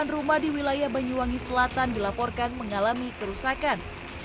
sembilan rumah di wilayah banyuwangi selatan dilaporkan mengalami kerusakan